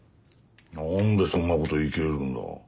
何でそんなこと言い切れるんだ？